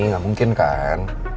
gak mungkin kan